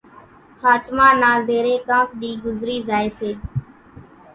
ۿاچمان نا زيرين ڪانڪ ۮِي ڳزري زائي سي